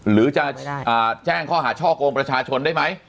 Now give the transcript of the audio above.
หรือจะแจ้งข้อหาช่อกงประชาชนได้ไหม